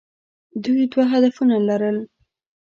دوی دوه هدفونه لرل.